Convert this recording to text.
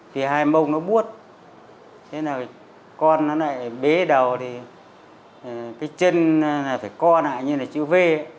thì hai bông nó buốt thế là con nó lại bế đầu thì cái chân phải co lại như là chữ v